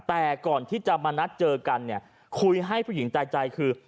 แต่ก่อนที่จะมานัดเจอกันเนี่ยคุยให้ผู้หญิงตายใจคือ